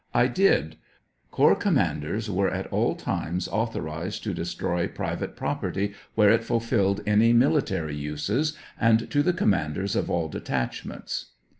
I did; corps commanders were at all times au thorized to destroy private property where it fulfilled any military uses, and to the commanders of all de tachments.